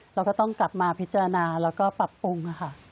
เราก็ต้องกลับมาพิจารณาแล้วก็ปรับปรุงค่ะ